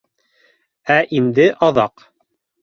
Ә инде аҙаҡ